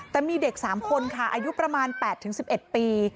แต่มีเด็ก๓คนค่ะอายุประมาณ๘๑๑ปี